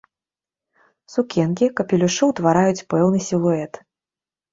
Сукенкі, капелюшы утвараюць пэўны сілуэт.